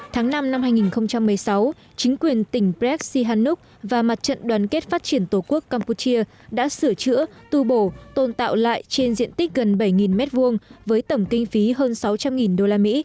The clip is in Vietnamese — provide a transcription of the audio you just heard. tháng năm năm hai nghìn một mươi sáu chính quyền tỉnh prec sihanuk và mặt trận đoàn kết phát triển tổ quốc campuchia đã sửa chữa tu bổ tôn tạo lại trên diện tích gần bảy m hai với tổng kinh phí hơn sáu trăm linh usd